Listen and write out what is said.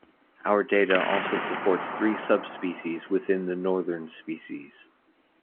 Our data also support three subspecies within the northern species.